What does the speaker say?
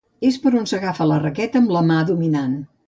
És per on s'agafa la raqueta amb la mà dominant.